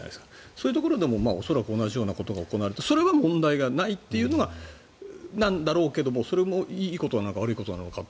そういうところでも恐らく同じようなことが行われてそれは問題がないということなんだろうけどそれもいいことなのかどうなのか。